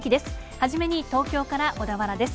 初めに東京から小田原です。